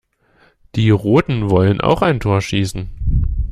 Die Roten wollen auch ein Tor schießen.